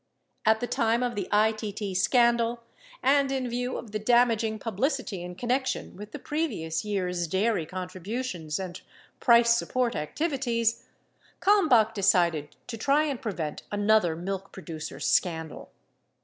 At the time of the ITT scandal and in view of the damaging publicity in connection with the previous year's dairy contributions and price support activities, Kalmbach decided to try and prevent another milk producers' scandal.